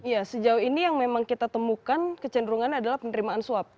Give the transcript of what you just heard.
ya sejauh ini yang memang kita temukan kecenderungannya adalah penerimaan suap